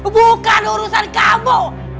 bukan urusan kamu